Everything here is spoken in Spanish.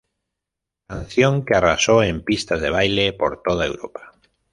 Canción que arrasó en pistas de baile por toda Europa.